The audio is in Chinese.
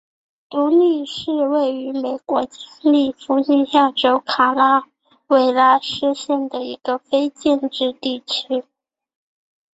独立是位于美国加利福尼亚州卡拉韦拉斯县的一个非建制地区。